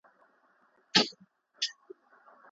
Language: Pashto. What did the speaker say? په دې نړۍ کي د بېوزلو خبره اهمیت نه لري.